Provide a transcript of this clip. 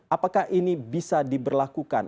apakah ini bisa diberlakukan